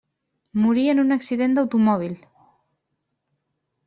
Morí en un accident d'automòbil.